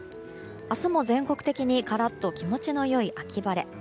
明日も全国的にカラッと気持ちの良い秋晴れ。